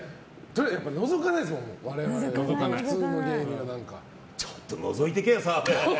のぞかないですもん、我々やちょっとのぞいてけよ、澤部！